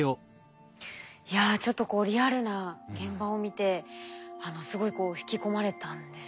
いやちょっとこうリアルな現場を見てすごいこう引き込まれたんですけれど。